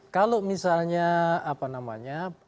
kalau misalnya apa namanya